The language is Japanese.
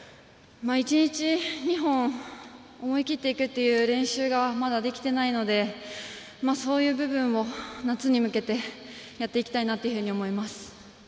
１日２本思い切っていくという練習がまだできていないのでそういう部分を夏に向けてやっていきたいなというふうに思います。